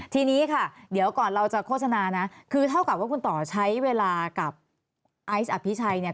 ทีนี้ค่ะเดี๋ยวก่อนเราจะโฆษณานะคือเท่ากับว่าคุณต่อใช้เวลากับไอซ์อภิชัยเนี่ย